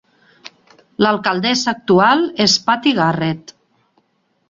L'alcaldessa actual és Patti Garrett.